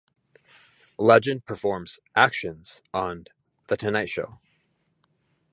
Legend performed "Actions" on "The Tonight Show".